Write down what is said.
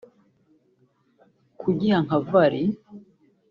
kugiha nka value